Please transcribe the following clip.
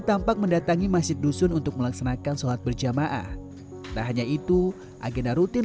tampak mendatangi masjid dusun untuk melaksanakan sholat berjamaah tak hanya itu agenda rutin